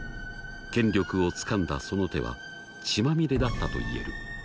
権力をつかんだその手は血まみれだったといえる。